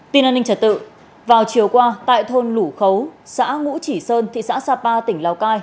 tin an ninh trật tự vào chiều qua tại thôn lũ khấu xã ngũ chỉ sơn thị xã sapa tỉnh lào cai